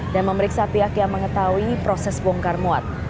dan memeriksa pihak yang mengetahui proses bongkar muat